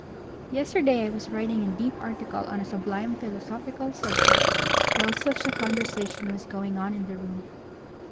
Yesterday I was writing a deep article on a sublime philosophical subject while such a conversation was going on in the room.